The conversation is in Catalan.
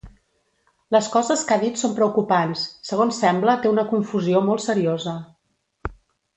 Les coses que ha dit són preocupants, segons sembla té una confusió molt seriosa.